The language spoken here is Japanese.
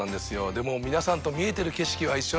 でも皆さんと見えてる景色は一緒なんで。